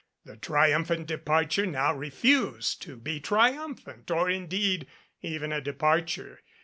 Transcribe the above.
The triumphant 37 MADCAP departure now refused to be triumphant or indeed even a departure.